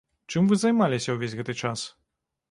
Чым вы займаліся ўвесь гэты час?